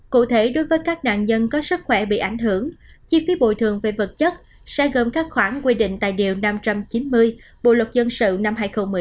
cụ thể đối với các nạn nhân có sức khỏe bị ảnh hưởng chi phí bồi thường về vật chất sẽ gồm các khoản quy định tại điều năm trăm chín mươi bộ luật dân sự năm hai nghìn một mươi năm